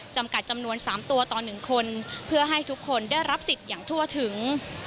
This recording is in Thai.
จำกัดจำนวน๓ตัวต่อ๑คนเพื่อให้ทุกคนได้รับสิทธิ์อย่างทั่วถึง